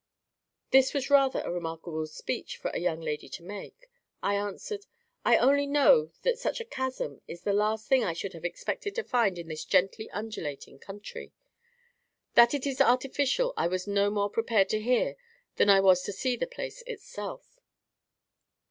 This was rather a remarkable speech for a young lady to make. I answered— "I only know that such a chasm is the last thing I should have expected to find in this gently undulating country. That it is artificial I was no more prepared to hear than I was to see the place itself."